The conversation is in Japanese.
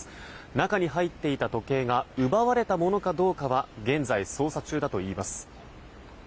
中に入っていた時計が奪われたものかどうかは現在、捜査中だといいます。